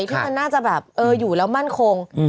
ค่ะที่มันน่าจะแบบเอออยู่แล้วมั่นคงอืม